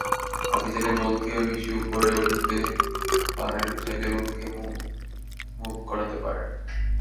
আপনি চাইলে বলকে বেশি ওপরে ওঠাতে পারেন, চাইলে বলকে মুভ করাতে পারেন।